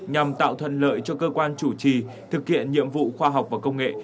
nhằm tạo thuận lợi cho cơ quan chủ trì thực hiện nhiệm vụ khoa học và công nghệ